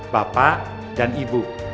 bapak dan ibu